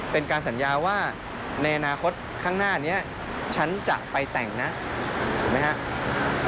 เป็นการสัญญาว่าในอนาคตข้างหน้านี้ฉันจะไปแต่งนะเห็นไหมครับ